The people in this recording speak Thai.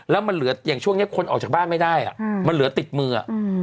แล้วมันเหลืออย่างช่วงนี้คนออกจากบ้านไม่ได้มันเหลือติดมือ